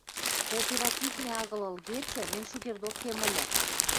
Кооперативнӓ агыл ылгецӹ, мӹнь шукердок кем ыльы.